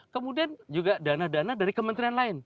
kemudian juga dana dana dari kementerian lain